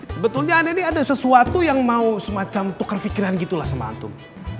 sebetulnya anda ini ada sesuatu yang mau semacam tukar pikiran gitu lah sama antum